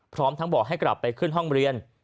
พร้อมทั้งบอกให้กลับไปขึ้นห้องเรียน